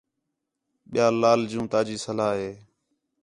ٻِیال لا جوں تاجی صلاح ہے